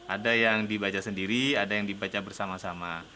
ada yang dibaca sendiri ada yang dibaca bersama sama